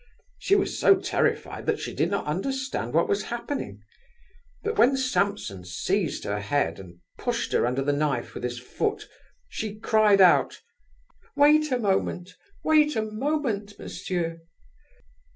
She was so terrified, that she did not understand what was happening. But when Samson seized her head, and pushed her under the knife with his foot, she cried out: 'Wait a moment! wait a moment, monsieur!